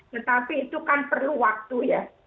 tetapi itu kan perlu waktu ya